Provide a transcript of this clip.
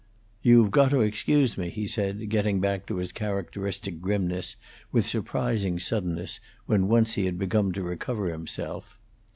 "You've got to excuse me," he said, getting back to his characteristic grimness with surprising suddenness, when once he began to recover himself.